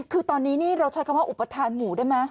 คือตอนนี้นี่เราใช้คำว่าอุปทานหมู่ได้ไหม